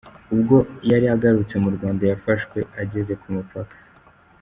Ubwo yari agarutse mu Rwanda, yafashwe ageze ku mupaka.